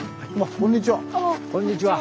・こんにちは。